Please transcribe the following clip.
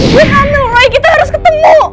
lihat tuh roy kita harus ketemu